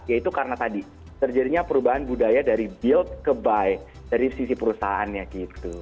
yaitu karena tadi terjadinya perubahan budaya dari build ke buy dari sisi perusahaannya gitu